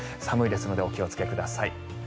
寒いですのでお気をつけください。